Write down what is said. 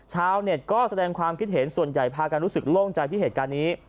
ชาวเน็ตก็แสดงความคิดเห็นส่วนใหญ่พากันรู้สึกโล่งใจที่เหตุการณ์นี้